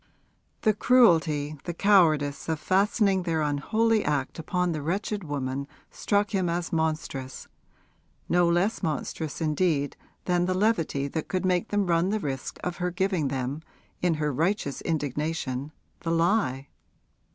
The cruelty, the cowardice of fastening their unholy act upon the wretched woman struck him as monstrous no less monstrous indeed than the levity that could make them run the risk of her giving them, in her righteous indignation, the lie.